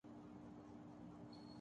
میں میلان میں رہتا ہوں